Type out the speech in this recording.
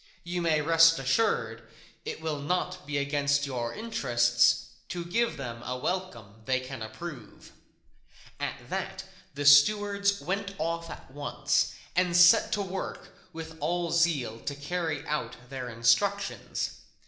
You may rest assured it will not be against your interests to give them a welcome they can approve." At that the stewards went off at once and set to work with all zeal to carry out their instructions.